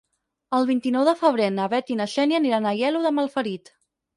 El vint-i-nou de febrer na Bet i na Xènia aniran a Aielo de Malferit.